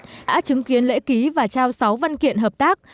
đã chứng kiến lễ ký và trao sáu văn kiện hợp tác